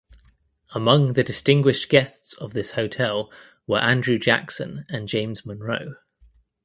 Among the distinguished guests of this hotel were Andrew Jackson and James Monroe.